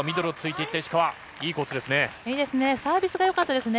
いいコースですね。